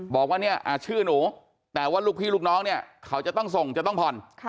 บอกว่าเนี่ยชื่อหนูแต่ว่าลูกพี่ลูกน้องเนี่ยเขาจะต้องส่งจะต้องผ่อน